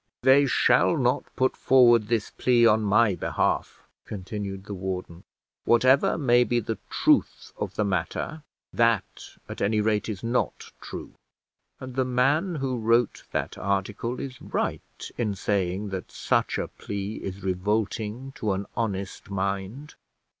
"They shall not put forward this plea on my behalf," continued the warden. "Whatever may be the truth of the matter, that at any rate is not true; and the man who wrote that article is right in saying that such a plea is revolting to an honest mind.